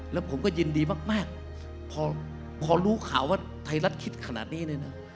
แล้วผมก็ยินดีมากพอรู้ข่าวว่าไทยรัฐคิดขนาดนี้เลยนะ